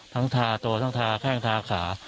ทาตัวทั้งทาแข้งทาขา